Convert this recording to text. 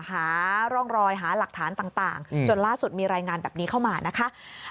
หาร่องรอยหาหลักฐานต่างจนล่าสุดมีรายงานแบบนี้เข้ามานะคะ